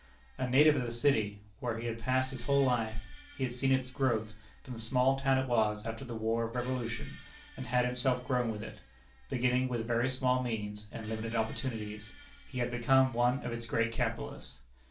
A native of the city, where he had passed his whole life, he had seen its growth, from the small town it was after the War of the Revolution, and had himself grown with it. Beginning with very small means and limited opportunities, he had become one of its great capitalists.